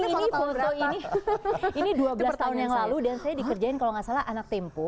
ini foto ini ini dua belas tahun yang lalu dan saya dikerjain kalau nggak salah anak tempo